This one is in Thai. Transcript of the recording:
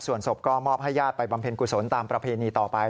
ส่วนศพก็มอบให้ญาติไปบำเพ็ญกุศลตามประเพณีต่อไป